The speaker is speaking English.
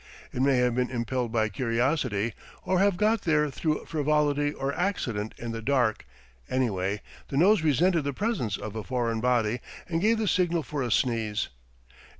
It may have been impelled by curiosity, or have got there through frivolity or accident in the dark; anyway, the nose resented the presence of a foreign body and gave the signal for a sneeze.